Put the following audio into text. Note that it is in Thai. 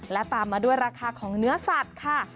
และตามมาด้วยราคาของเนื้อสัตว์ค่ะ